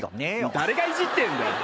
誰がいじってんだよ